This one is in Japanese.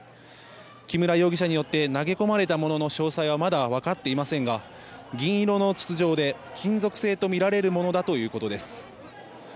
木村容疑者によって投げ込まれたものの詳細はまだわかっていませんが銀色の筒状で金属製とみられるものだということです。